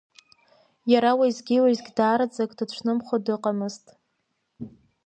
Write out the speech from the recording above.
Иаргьы уеизгьы-уеизгьы даараӡак дацәнымхо дыҟамызт.